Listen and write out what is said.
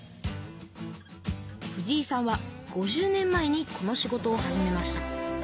藤井さんは５０年前にこの仕事を始めました。